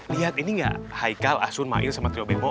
lihat ini gak haikal asun ma'il sama trio bebo